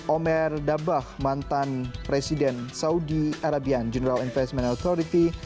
omer dabah mantan presiden saudi arabian general investment authority